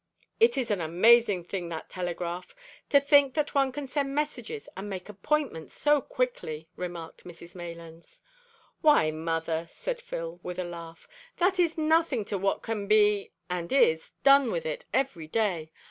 "It is an amazing thing that telegraph! To think that one can send messages and make appointments so quickly!" remarked Mrs Maylands. "Why, mother," said Phil, with a laugh, "that is nothing to what can be and is done with it every day.